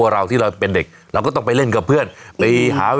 เรียนเลยโดยไม่ต้องไปเปลี่ยนเสื้อผ้า